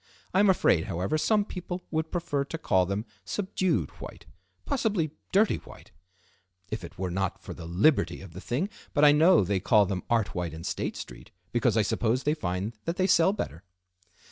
I am afraid, however, some people would prefer to call them subdued white; possibly dirty white, if it were not for the liberty of the thing, but I know they call them art white in State Street, because I suppose they find that they sell better."